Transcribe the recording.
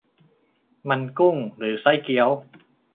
มัน 'กุ้ง' หรือ 'ไส้เกี๊ยว' ?